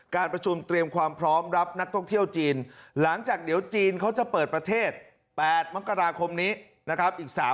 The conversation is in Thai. การประชุมเตรียมความพร้อมรับนักท่องเที่ยวจีนหลังจากเดี๋ยวจีนเขาจะเปิดประเทศ๘มกราคมนี้นะครับ